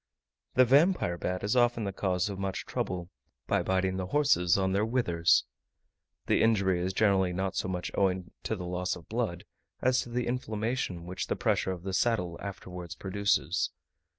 The Vampire bat is often the cause of much trouble, by biting the horses on their withers. The injury is generally not so much owing to the loss of blood, as to the inflammation which the pressure of the saddle afterwards produces.